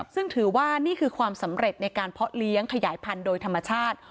ซึ่งถือว่านี่คือความสำเร็จในการเพาะเลี้ยงขยายพันธุ์โดยธรรมชาติ